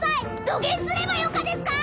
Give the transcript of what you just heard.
どげんすればよかですか！